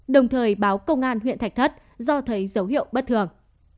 đồng thời báo công an huyện thạch thất do thấy dấu hiệu bất thường